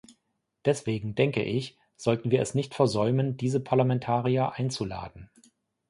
Deswegen, denke ich, sollten wir es nicht versäumen, diese Parlamentarier einzuladen.